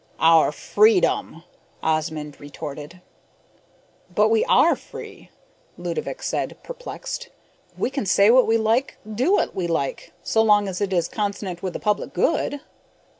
"Our freedom," Osmond retorted. "But we are free," Ludovick said, perplexed. "We can say what we like, do what we like, so long as it is consonant with the public good."